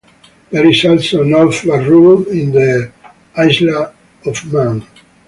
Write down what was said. There is also a North Barrule in the Isle of Man.